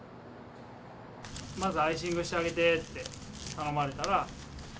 まずアイシングしてあげてって頼まれたら。